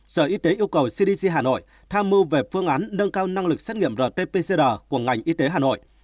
sở y tế yêu cầu cdc hà nội tham mưu về phương án nâng cao năng lực xét nghiệm rt pcr của ngành y tế hà nội